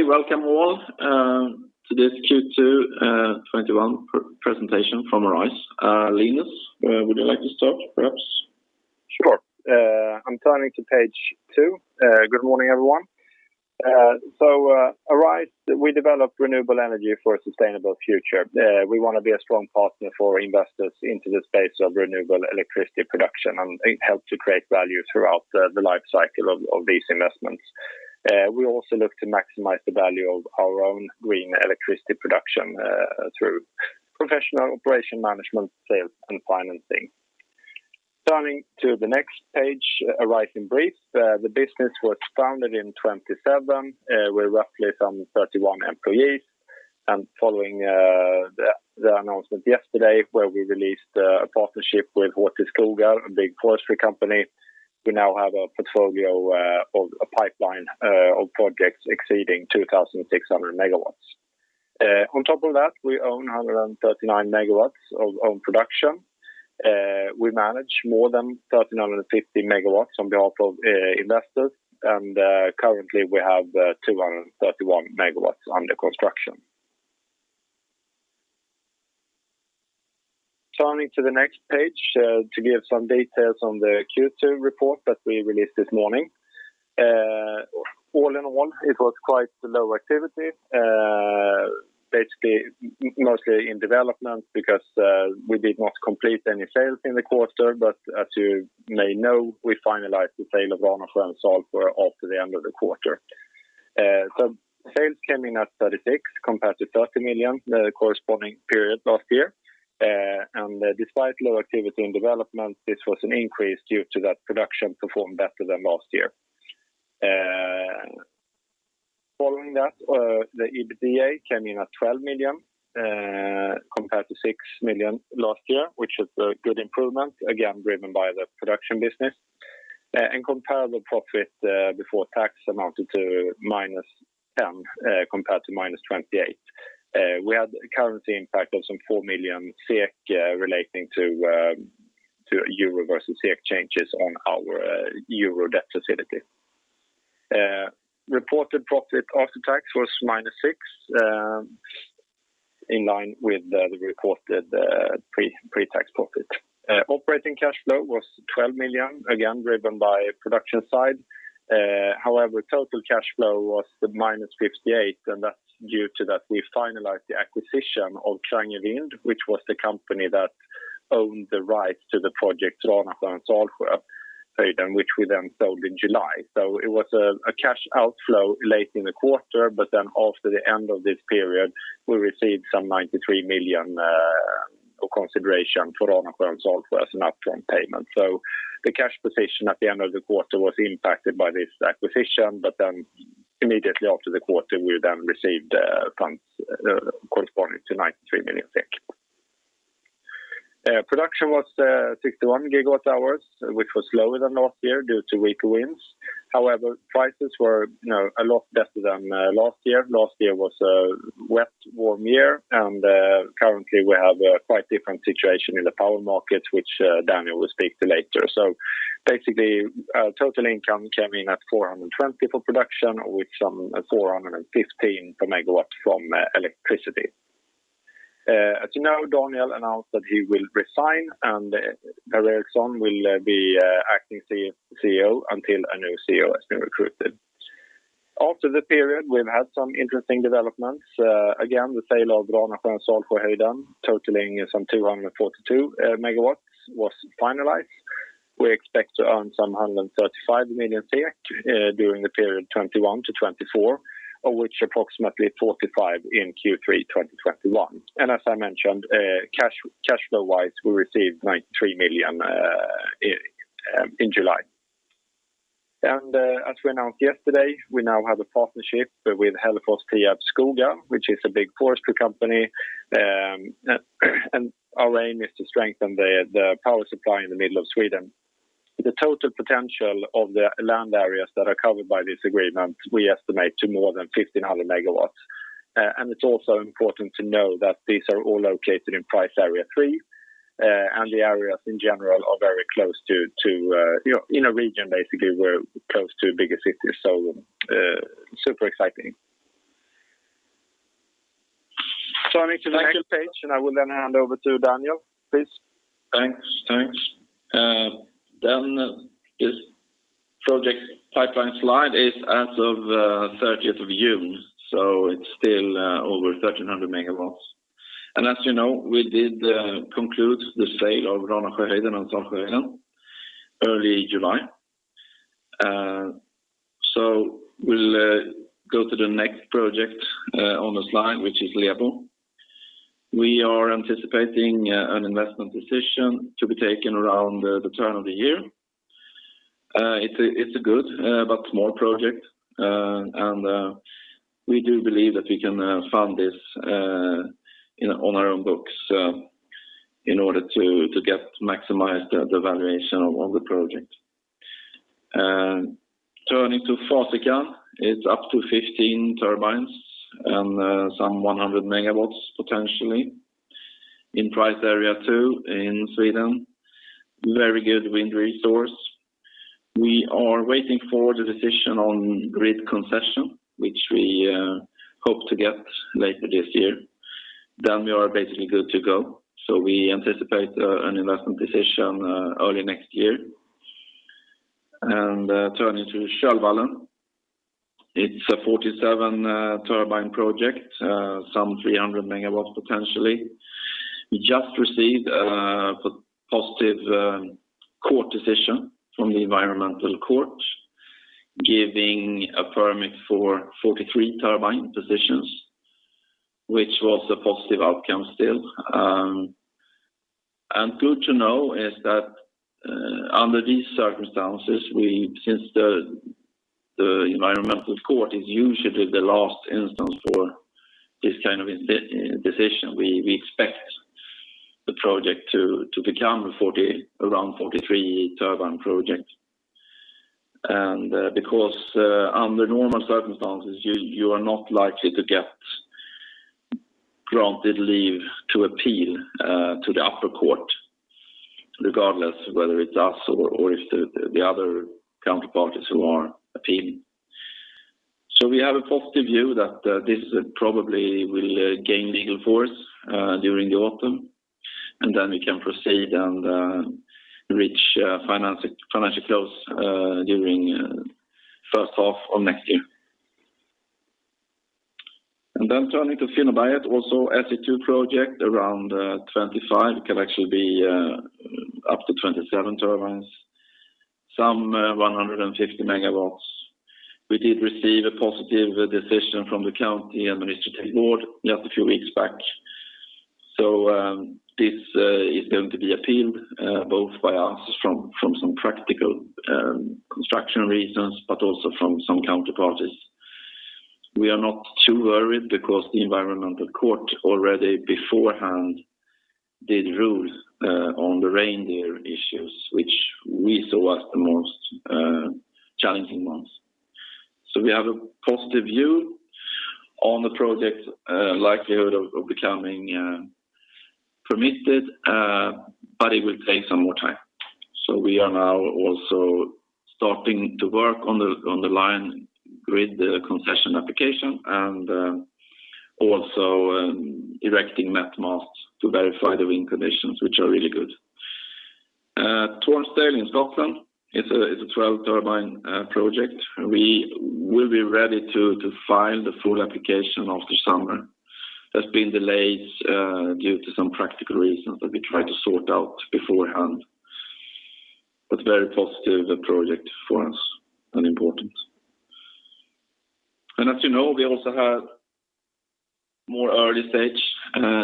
Welcome all to this Q2 2021 presentation from Arise. Linus, would you like to start, perhaps? Sure. I'm turning to page two. Good morning, everyone. Arise, we develop renewable energy for a sustainable future. We want to be a strong partner for investors into the space of renewable electricity production and help to create value throughout the life cycle of these investments. We also look to maximize the value of our own green electricity production through professional operation management, sales, and financing. Turning to the next page, Arise in brief. The business was founded in 2017. We're roughly some 31 employees. Following the announcement yesterday where we released a partnership with Hällefors Tierp Skogar, a big forestry company, we now have a portfolio of a pipeline of projects exceeding 2,600 MW. On top of that, we own 139 MW of own production. We manage more than 1,350 MW on behalf of investors, and currently, we have 231 MW under construction. Turning to the next page to give some details on the Q2 report that we released this morning. All in all, it was quite low activity. Basically, mostly in development because we did not complete any sales in the quarter, but as you may know, we finalized the sale of Ranasjö och Salsjöhöjden after the end of the quarter. Sales came in at 36 million compared to 30 million the corresponding period last year. Despite low activity and development, this was an increase due to that production performed better than last year. Following that, the EBITDA came in at 12 million, compared to 6 million last year, which is a good improvement, again, driven by the production business. Comparable profit before tax amounted to -10 million, compared to -28 million. We had a currency impact of some 4 million SEK relating to EUR versus SEK changes on our EUR debt facility. Reported profit after tax was -6 million, in line with the reported pre-tax profit. Operating cash flow was 12 million, again, driven by production side. Total cash flow was -58 million, and that's due to that we finalized the acquisition of Kringelvind, which was the company that owned the rights to the project Ranasjö and Salsjöhöjden, which we sold in July. It was a cash outflow late in the quarter, but after the end of this period, we received some 93 million of consideration for Ranasjö and Salsjöhöjden as an upfront payment. The cash position at the end of the quarter was impacted by this acquisition, but immediately after the quarter, we received funds corresponding to 93 million SEK. Production was 61 GWh, which was lower than last year due to weaker winds. Prices were a lot better than last year. Last year was a wet, warm year. Currently we have a quite different situation in the power market, which Daniel will speak to later. Total income came in at 420 million for production, with some 415 million per MW from electricity. As you know, Daniel announced that he will resign. Per-Erik Eriksson will be acting CEO until a new CEO has been recruited. After the period, we've had some interesting developments. The sale of Ranasjö and Salsjöhöjden, totaling some 242 MW, was finalized. We expect to earn some 135 million SEK during the period 2021 to 2024, of which approximately 45 million in Q3 2021. As I mentioned, cash flow-wise, we received 93 million in July. As we announced yesterday, we now have a partnership with Hällefors Tierp Skogar, which is a big forestry company. Our aim is to strengthen the power supply in the middle of Sweden. The total potential of the land areas that are covered by this agreement, we estimate to more than 1,500 MW. It's also important to know that these are all located in price area three, and the areas in general are very close, in a region, basically, we're close to bigger cities, super exciting. Turning to the next page, I will then hand over to Daniel, please. Thanks. This project pipeline slide is as of 30th of June, it is still over 1,300 MW. As you know, we did conclude the sale of Ranasjö and Salsjöhöjden early July. We will go to the next project on the slide, which is Lebo. We are anticipating an investment decision to be taken around the turn of the year. It is a good but small project, and we do believe that we can fund this on our own books in order to maximize the valuation of the project. Turning to Fasikan, it is up to 15 turbines and some 100 MW potentially in price area two in Sweden. Very good wind resource. We are waiting for the decision on grid concession, which we hope to get later this year, then we are basically good to go. We anticipate an investment decision early next year. Turning to Kölvallen. It's a 47-turbine project, some 300 MW potentially. We just received a positive court decision from the environmental court, giving a permit for 43 turbine positions, which was a positive outcome still. Good to know is that under these circumstances, since the environmental court is usually the last instance for this kind of decision, we expect the project to become around 43-turbine project. Because under normal circumstances, you are not likely to get granted leave to appeal to the upper court, regardless of whether it's us or if the other counterparties who are appealing. We have a positive view that this probably will gain legal force during the autumn, and then we can proceed and reach financial close during first half of next year. Turning to Finnåberget, also SE2 project, around 25, it can actually be up to 27 turbines, some 150 MW. We did receive a positive decision from the county and the district board just a few weeks back. This is going to be appealed, both by us from some practical construction reasons, but also from some counterparties. We are not too worried because the environmental court already beforehand did rule on the reindeer issues, which we saw as the most challenging ones. We have a positive view on the project likelihood of becoming permitted, but it will take some more time. We are now also starting to work on the line grid concession application and also erecting met masts to verify the wind conditions, which are really good. Tormsdale in Scotland is a 12-turbine project. We will be ready to file the full application after summer. There's been delays due to some practical reasons that we tried to sort out beforehand. Very positive project for us and important. As you know, we also have more early-stage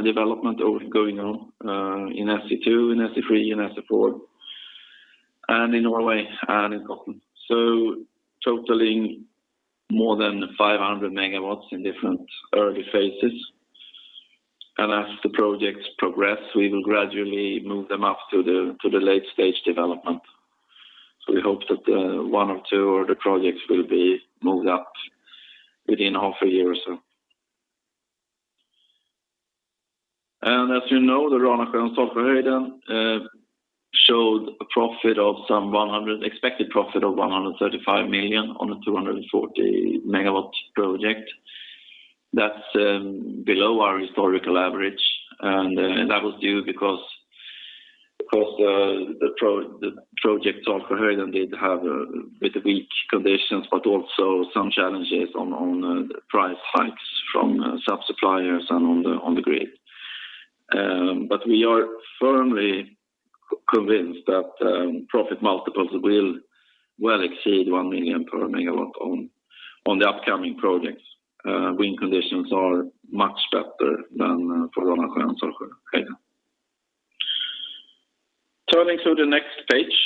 development going on in SE2, in SE3, in SE4, and in Norway and in Scotland. Totaling more than 500 MW in different early phases. As the projects progress, we will gradually move them up to the late-stage development. We hope that one or two of the projects will be moved up within half a year or so. As you know, the Ranasjö and Salsjöhöjden showed expected profit of 135 million on a 240 MW project. That's below our historical average. That was due because the project Salsjöhöjden did have a bit of weak conditions, but also some challenges on price hikes from sub-suppliers and on the grid. We are firmly convinced that profit multiples will well exceed 1 million per MW on the upcoming projects. Wind conditions are much better than for Ranasjö and Salsjöhöjden. Turning to the next page.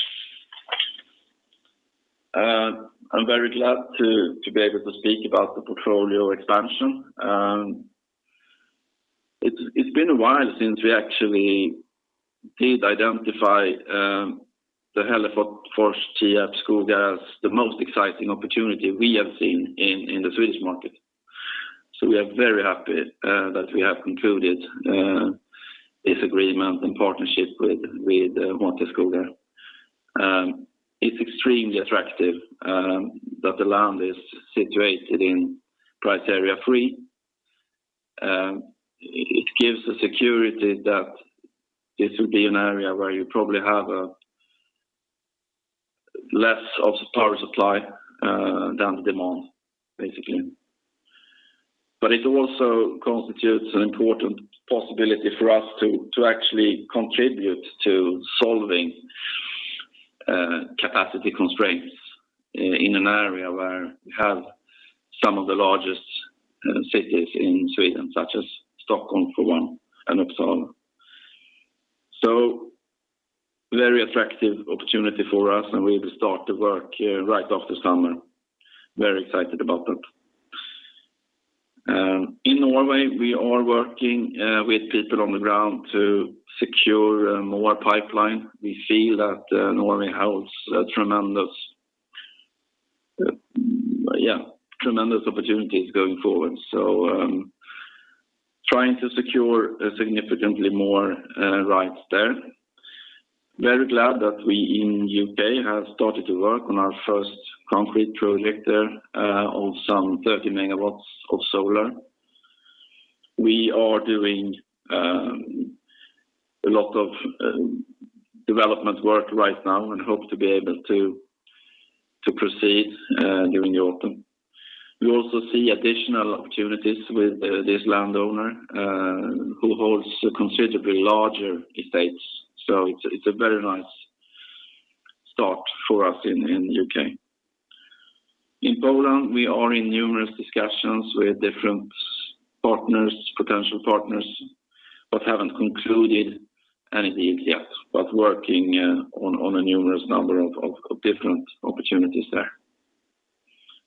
I'm very glad to be able to speak about the portfolio expansion. It's been a while since we actually did identify the Hällefors Tierp Skogar as the most exciting opportunity we have seen in the Swedish market. We are very happy that we have concluded this agreement and partnership with Måns i Skoga. It's extremely attractive that the land is situated in price area three. It gives a security that this will be an area where you probably have less of power supply than the demand, basically. It also constitutes an important possibility for us to actually contribute to solving capacity constraints in an area where we have some of the largest cities in Sweden, such as Stockholm, for one, and Uppsala. Very attractive opportunity for us, and we will start the work right after summer. Very excited about that. In Norway, we are working with people on the ground to secure more pipeline. We see that Norway holds a tremendous opportunities going forward. Trying to secure significantly more rights there. Very glad that we, in the U.K., have started to work on our first concrete project there of some 30 MW of solar. We are doing a lot of development work right now and hope to be able to proceed during the autumn. We also see additional opportunities with this landowner, who holds considerably larger estates. It's a very nice start for us in the U.K. In Poland, we are in numerous discussions with different potential partners, but haven't concluded anything yet, but working on a numerous number of different opportunities there.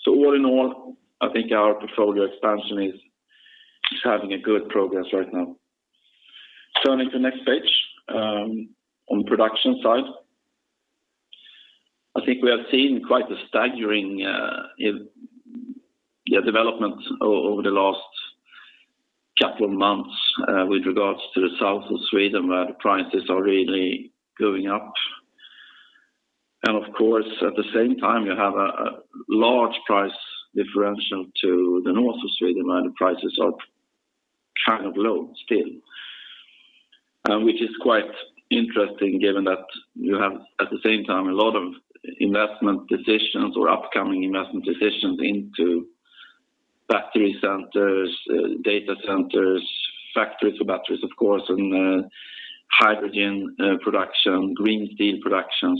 All in all, I think our portfolio expansion is having a good progress right now. Turning to next page, on production side. I think we have seen quite a staggering development over the last couple of months with regards to the south of Sweden, where the prices are really going up. Of course, at the same time, you have a large price differential to the north of Sweden, where the prices are kind of low still. Which is quite interesting given that you have, at the same time, a lot of investment decisions or upcoming investment decisions into battery centers, data centers, factories for batteries, of course, and hydrogen production, green steel production.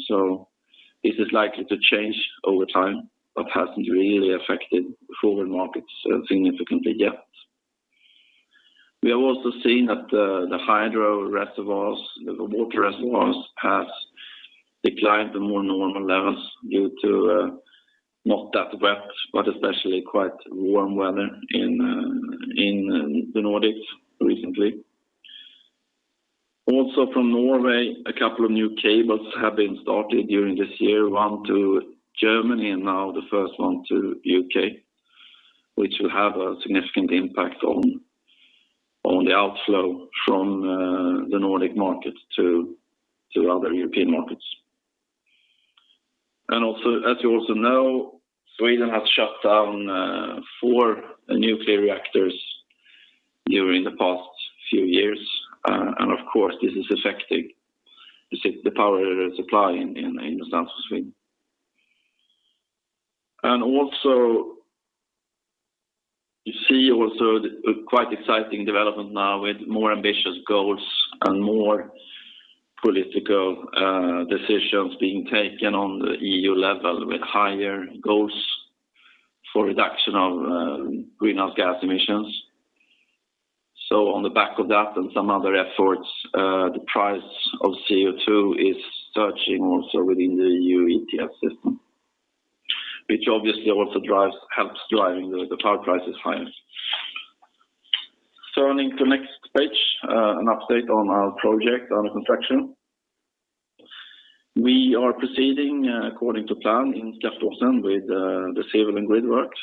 This is likely to change over time, but hasn't really affected forward markets significantly yet. We have also seen that the hydro reservoirs, the water reservoirs, have declined to more normal levels due to not that wet, but especially quite warm weather in the Nordics recently. From Norway, two new cables have been started during this year. One to Germany and now the first one to U.K., which will have a significant impact on the outflow from the Nordic market to other European markets. As you also know, Sweden has shut down four nuclear reactors during the past few years. Of course, this is affecting the power supply in the south of Sweden. Also, you see a quite exciting development now with more ambitious goals and more political decisions being taken on the EU level with higher goals for reduction of greenhouse gas emissions. On the back of that and some other efforts, the price of CO2 is surging also within the EU ETS system, which obviously also helps driving the power prices higher. Turning to next page, an update on our project under construction. We are proceeding according to plan in Skellefteå with the civil and grid works.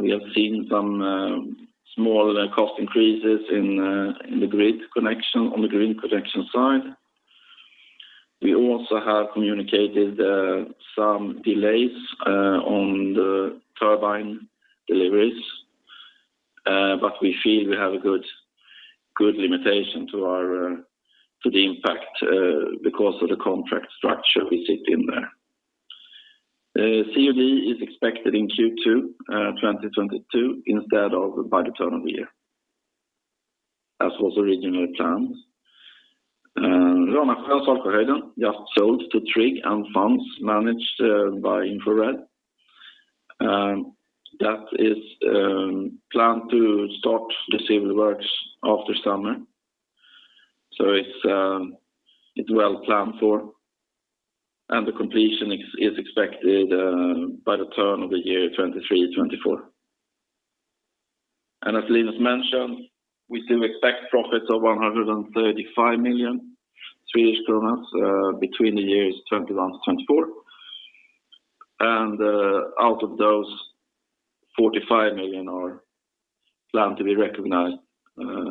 We have seen some small cost increases on the grid connection side. We also have communicated some delays on the turbine deliveries, but we feel we have a good limitation to the impact because of the contract structure we sit in there. COD is expected in Q2 2022 instead of by the turn of the year, as was originally planned. Ranasjö och Salsjöhöjden just sold to TRIG and funds managed by InfraRed. That is planned to start the civil works after summer. It's well planned for, and the completion is expected by the turn of the year 2023/2024. As Linus mentioned, we still expect profits of 135 million Swedish kronor between the years 2021 to 2024. Out of those, 45 million are planned to be recognized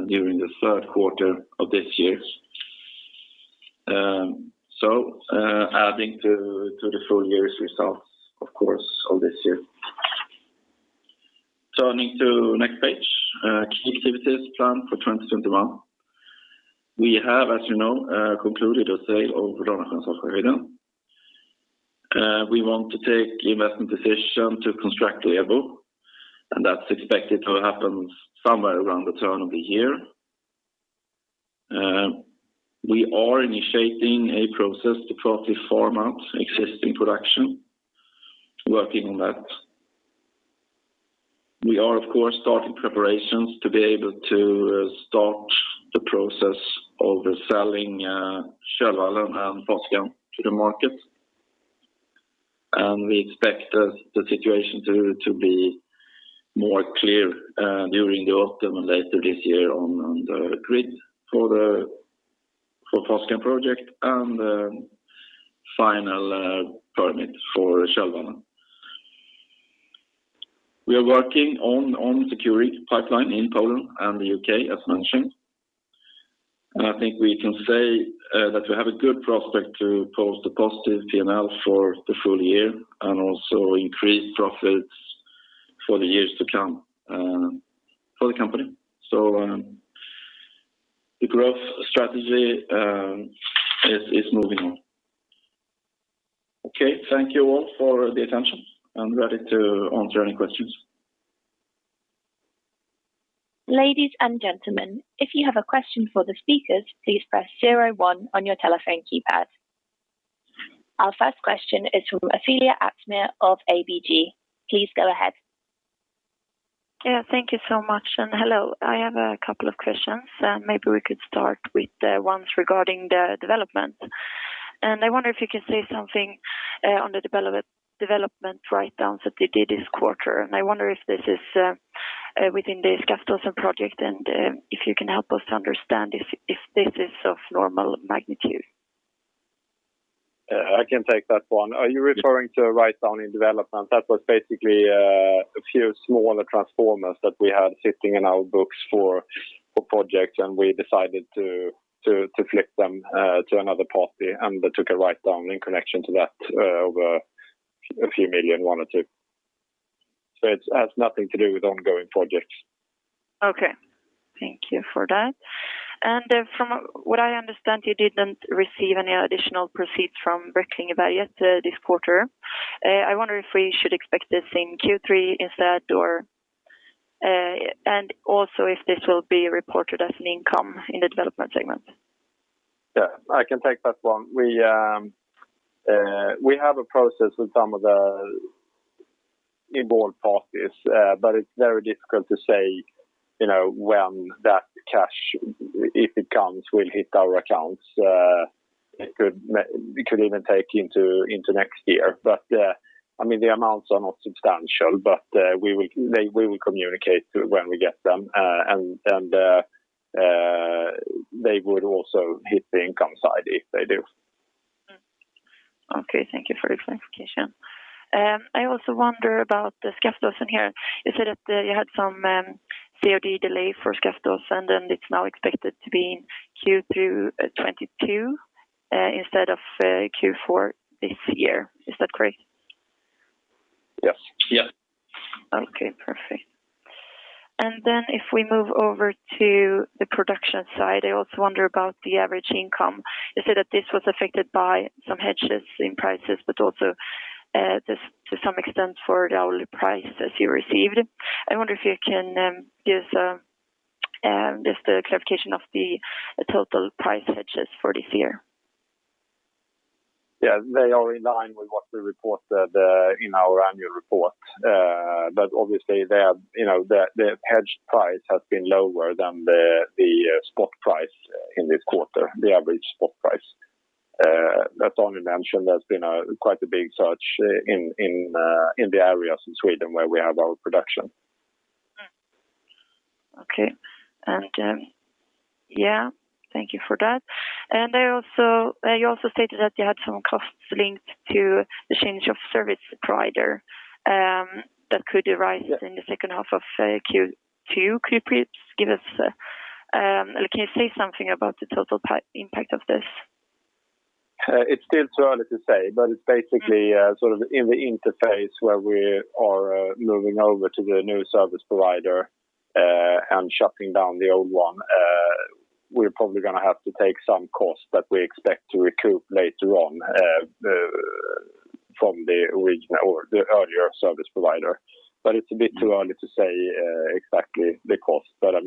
during the third quarter of this year, adding to the full year's results, of course, of this year. Turning to next page, key activities planned for 2021. We have, as you know, concluded a sale of Ranasjö och Salsjöhöjden. We want to take the investment decision to construct Lebo, and that's expected to happen somewhere around the turn of the year. We are initiating a process to properly format existing production, working on that. We are, of course, starting preparations to be able to start the process of selling Kölvallen and Fasikan to the market. We expect the situation to be more clear during the autumn and later this year on the grid for the. For Fasikan project and final permit for Kölvallen. We are working on securing pipeline in Poland and the U.K., as mentioned. I think we can say that we have a good prospect to post a positive P&L for the full year and also increase profits for the years to come for the company. The growth strategy is moving on. Okay, thank you all for the attention. I'm ready to answer any questions. Ladies and gentlemen, if you have a question for the speakers, please press zero one on your telephone keypad. Our first question is from Ofelia Aspemyr of ABG. Please go ahead. Yeah, thank you so much, and hello. I have a couple of questions. Maybe we could start with the ones regarding the development. I wonder if you can say something on the development write-downs that you did this quarter. I wonder if this is within the Skaftåsen project, and if you can help us understand if this is of normal magnitude. I can take that one. Are you referring to write-down in development? That was basically a few smaller transformers that we had sitting in our books for projects, and we decided to flip them to another party. They took a write-down in connection to that of 1 million or 2 million. It has nothing to do with ongoing projects. Okay. Thank you for that. From what I understand, you didn't receive any additional proceeds from Kringelvind yet this quarter. I wonder if we should expect this in Q3 instead, and also if this will be reported as an income in the development segment? Yeah, I can take that one. We have a process with some of the involved parties, but it's very difficult to say, when that cash, if it comes, will hit our accounts. It could even take into next year. The amounts are not substantial, but we will communicate when we get them. They would also hit the income side if they do. Okay, thank you for the clarification. I also wonder about the Skaftåsen here. You said that you had some COD delay for Skaftåsen, and it's now expected to be in Q2 2022, instead of Q4 this year. Is that correct? Yes. Yeah. Okay, perfect. If we move over to the production side, I also wonder about the average income. You said that this was affected by some hedges in prices, but also this to some extent for the hourly price that you received. I wonder if you can give just the clarification of the total price hedges for this year. Yeah. They are in line with what we reported in our annual report. Obviously, the hedged price has been lower than the spot price in this quarter, the average spot price. That's only mentioned, there's been quite a big surge in the areas in Sweden where we have our production. Okay. Yeah, thank you for that. You also stated that you had some costs linked to the change of service provider that could arise in the second half of Q2. Can you say something about the total impact of this? It's still too early to say, but it's basically sort of in the interface where we are moving over to the new service provider, and shutting down the old one. We're probably going to have to take some costs that we expect to recoup later on, from the earlier service provider. It's a bit too early to say exactly the cost, but it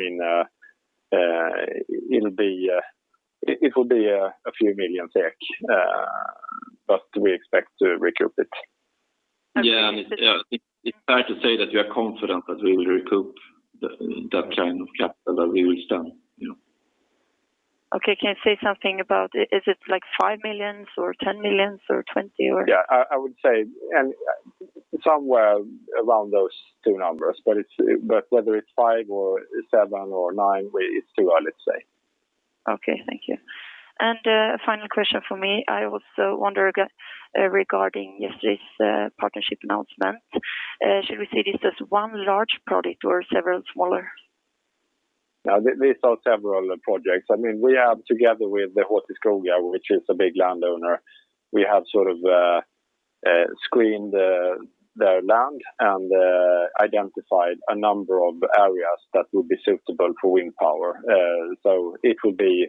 will be a few million SEK, but we expect to recoup it. Yeah, it's fair to say that we are confident that we will recoup that kind of capital that we will spend. Okay. Can you say something about, is it 5 million or 10 million or 20 million, or? Yeah, I would say somewhere around those two numbers, but whether it's five or seven or nine, it's too early to say. Okay, thank you. A final question from me. I also wonder regarding yesterday's partnership announcement. Should we see this as one large project or several smaller? These are several projects. We are together with the Hällefors Tierp Skogar, which is a big landowner. We have sort of screened their land and identified a number of areas that would be suitable for wind power. It will be.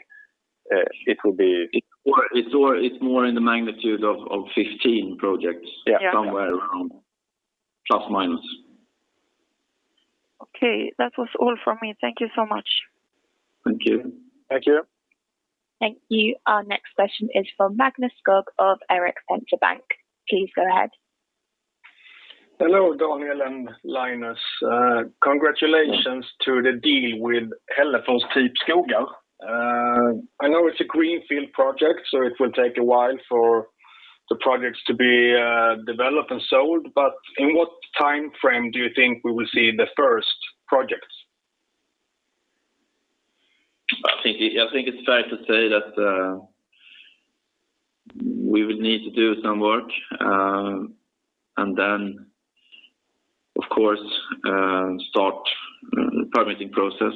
It's more in the magnitude of 15 projects. Yeah. Somewhere around, plus, minus. Okay. That was all from me. Thank you so much. Thank you. Thank you. Thank you. Our next question is from Magnus Skoog of Erik Penser Bank. Please go ahead. Hello, Daniel and Linus. Congratulations to the deal with Hällefors Tierp Skogar. I know it's a greenfield project, so it will take a while for the projects to be developed and sold. In what time frame do you think we will see the first projects? I think it's fair to say that we would need to do some work, and then, of course, start the permitting process.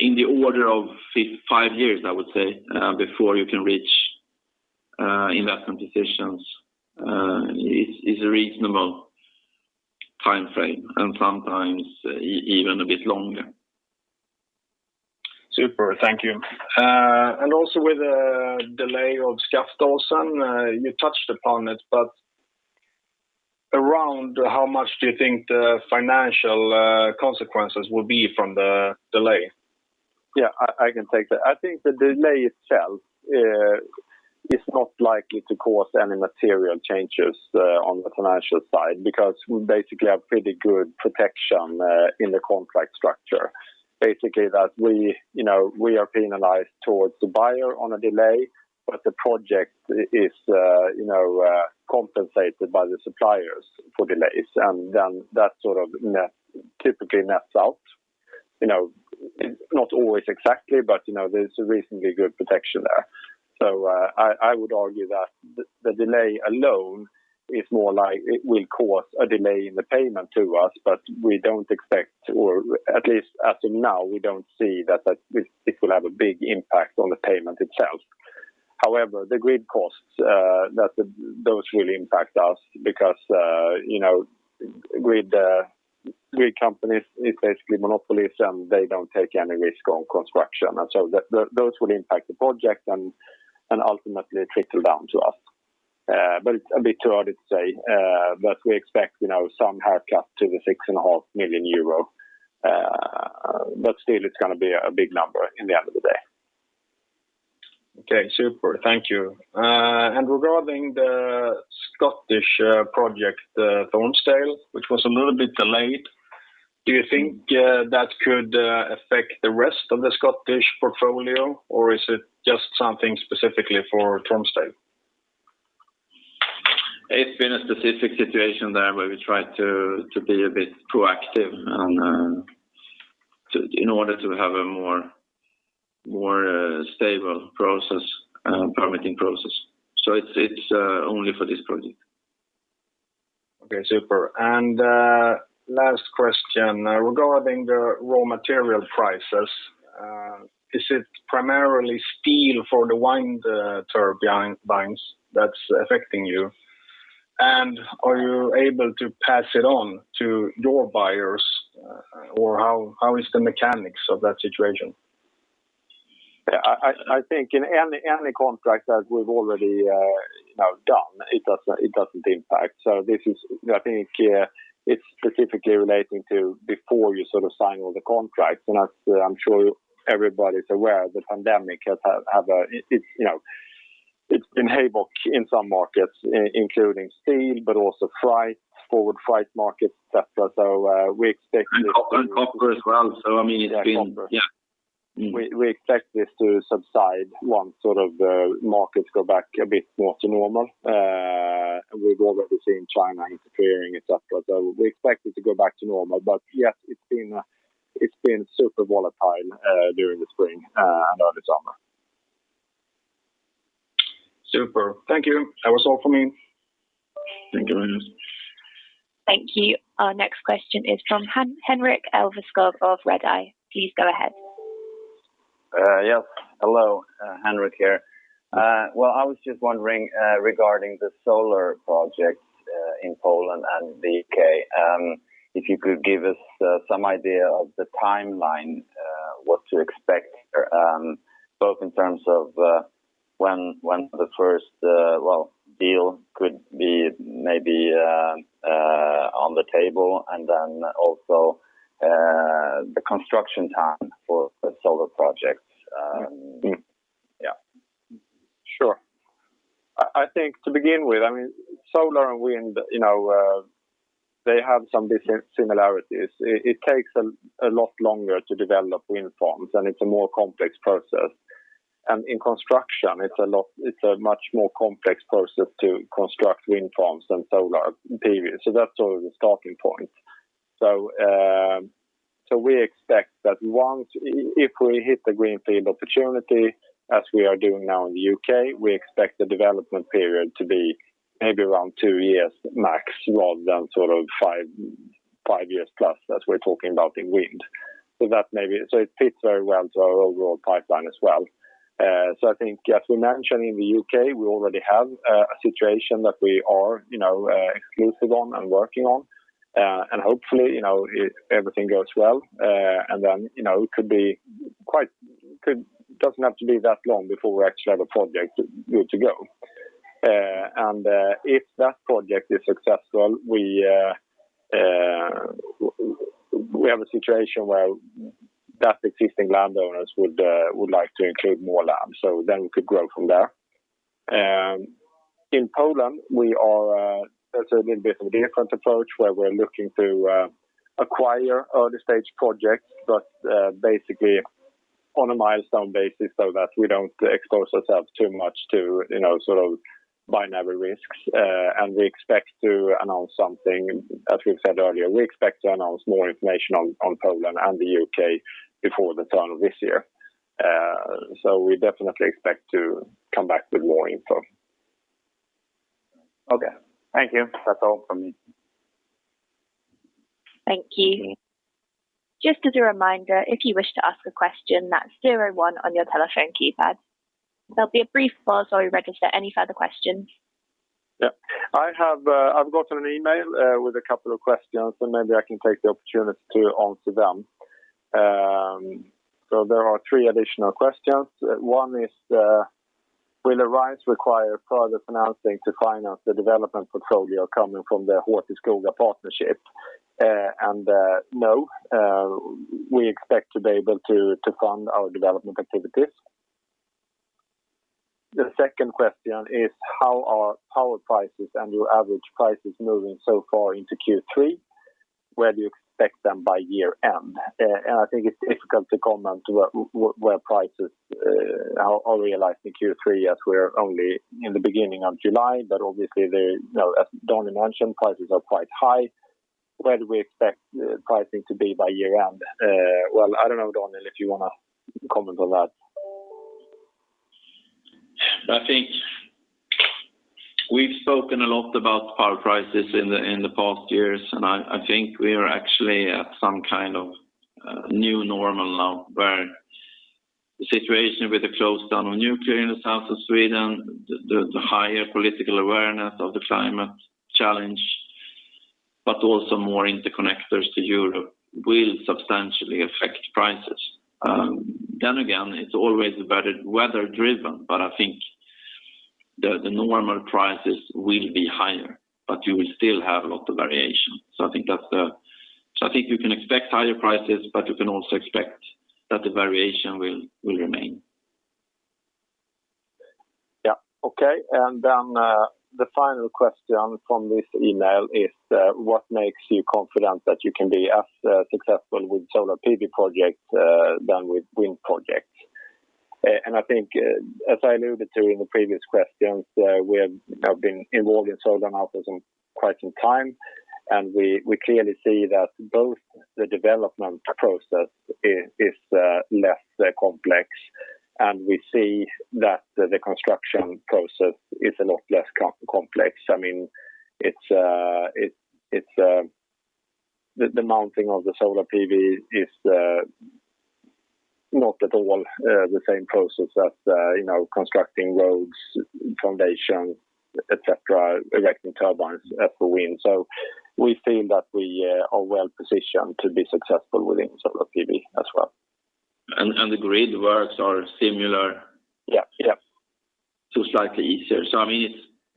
In the order of five years, I would say, before you can reach investment decisions is a reasonable time frame, and sometimes even a bit longer. Super. Thank you. Also with the delay of Skaftåsen, you touched upon it, but around how much do you think the financial consequences will be from the delay? Yeah, I can take that. I think the delay itself is not likely to cause any material changes on the financial side, because we basically have pretty good protection in the contract structure. Basically, that we are penalized towards the buyer on a delay, but the project is compensated by the suppliers for delays. That sort of typically nets out. Not always exactly, but there's a reasonably good protection there. I would argue that the delay alone, it will cause a delay in the payment to us, but we don't expect, or at least as of now, we don't see that it will have a big impact on the payment itself. However, the grid costs, those really impact us because grid companies is basically monopolies, and they don't take any risk on construction. Those would impact the project and ultimately trickle down to us. It's a bit too early to say, but we expect some haircut to the 6.5 million euro. Still, it's going to be a big number in the end of the day. Okay, super. Thank you. Regarding the Scottish project, Tormsdale, which was a little bit delayed, do you think that could affect the rest of the Scottish portfolio, or is it just something specifically for Tormsdale? It's been a specific situation there where we tried to be a bit proactive in order to have a more stable permitting process. It's only for this project. Okay, super. Last question, regarding the raw material prices, is it primarily steel for the wind turbines that's affecting you? Are you able to pass it on to your buyers? How is the mechanics of that situation? Yeah. I think in any contract that we've already done, it doesn't impact. I think it's specifically relating to before you sign all the contracts, and as I'm sure everybody's aware, the pandemic, it's been havoc in some markets, including steel, but also forward freight markets, et cetera. Copper as well. Yeah, copper. Yeah. We expect this to subside once the markets go back a bit more to normal. We've already seen China interfering, et cetera. We expect it to go back to normal. Yes, it's been super volatile during the spring and early summer. Super. Thank you. That was all from me. Thank you very much. Thank you. Our next question is from Henrik Alveskog of Redeye. Please go ahead. Yes. Hello, Henrik here. Well, I was just wondering, regarding the solar projects in Poland and the U.K., if you could give us some idea of the timeline, what to expect, both in terms of when the first deal could be maybe on the table, and then also the construction time for the solar projects. Yeah. Sure. I think to begin with, solar and wind, they have some similarities. It takes a lot longer to develop wind farms, and it's a more complex process. In construction, it's a much more complex process to construct wind farms than solar, period. That's the starting point. We expect that if we hit the greenfield opportunity, as we are doing now in the U.K., we expect the development period to be maybe around two years max, rather than 5 years+, as we're talking about in wind. It fits very well to our overall pipeline as well. I think, as we mentioned, in the U.K., we already have a situation that we are exclusive on and working on. Hopefully, if everything goes well, then it doesn't have to be that long before we actually have a project good to go. If that project is successful, we have a situation where that existing landowners would like to include more land. We could grow from there. In Poland, we are taking a bit of a different approach where we are looking to acquire early-stage projects, but basically on a milestone basis so that we don't expose ourselves too much to binary risks. We expect to announce something, as we have said earlier, we expect to announce more information on Poland and the U.K. before the turn of this year. We definitely expect to come back with more info. Okay. Thank you. That's all from me. Thank you. Just as a reminder, if you wish to ask a question, that's zero one on your telephone keypad. There'll be a brief pause while we register any further questions. Yeah. I've gotten an email with a couple of questions, maybe I can take the opportunity to answer them. There are three additional questions. One is: will Arise require further financing to finance the development portfolio coming from the Hällefors Tierp Skogar partnership? No. We expect to be able to fund our development activities. The second question is: how are power prices and your average prices moving so far into Q3? Where do you expect them by year-end? I think it's difficult to comment where prices are realized in Q3 as we're only in the beginning of July, obviously, as Daniel mentioned, prices are quite high. Where do we expect pricing to be by year-end? Well, I don't know, Daniel, if you want to comment on that. I think we've spoken a lot about power prices in the past years, and I think we are actually at some kind of new normal now, where the situation with the close down of nuclear in the south of Sweden, the higher political awareness of the climate challenge, but also more interconnectors to Europe will substantially affect prices. Again, it's always very weather driven, but I think the normal prices will be higher, but you will still have a lot of variation. I think you can expect higher prices, but you can also expect that the variation will remain. Yeah. Okay, the final question from this email is: what makes you confident that you can be as successful with solar PV projects, than with wind projects? I think, as I alluded to in the previous questions, we have now been involved in solar now for quite some time, and we clearly see that both the development process is less complex and we see that the construction process is a lot less complex. The mounting of the solar PV is not at all the same process as constructing roads, foundation, et cetera, erecting turbines for wind. We feel that we are well-positioned to be successful within solar PV as well. The grid works are similar. Yeah to slightly easier.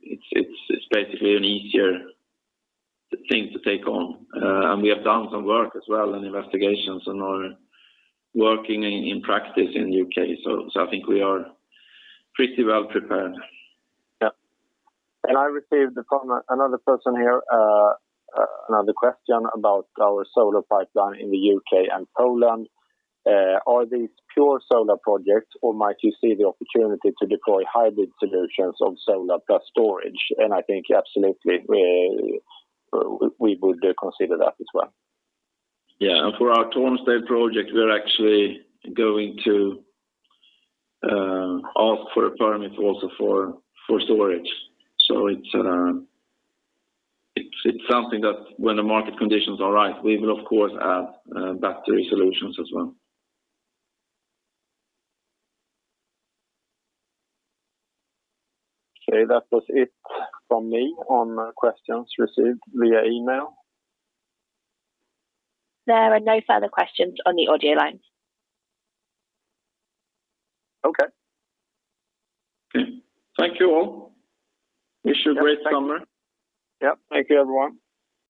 It's basically an easier thing to take on. We have done some work as well, and investigations and are working in practice in the U.K. I think we are pretty well-prepared. Yeah. I received from another person here, another question about our solar pipeline in the U.K. and Poland. Are these pure solar projects, or might you see the opportunity to deploy hybrid solutions of solar plus storage? I think absolutely, we would consider that as well. Yeah. For our Tormsdale project, we're actually going to ask for a permit also for storage. It's something that when the market conditions are right, we will of course add battery solutions as well. Okay. That was it from me on questions received via email. There are no further questions on the audio line. Okay. Thank you, all. Wish you a great summer. Yeah. Thank you, everyone.